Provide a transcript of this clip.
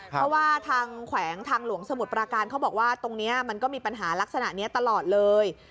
เพราะว่าทางแขวงทางหลวงสมุทรปราการเขาบอกว่าตรงนี้มันก็มีปัญหาลักษณะนี้ตลอดเลย